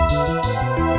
masih di pasar